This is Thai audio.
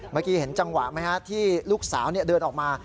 เมื่อกี้เห็นจังหวะไหมฮะที่ลูกสาวเดินออกมา